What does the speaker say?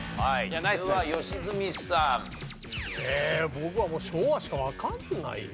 僕はもう昭和しかわからないよ。